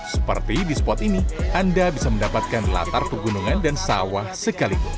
seperti di spot ini anda bisa mendapatkan latar pegunungan dan sawah sekaligus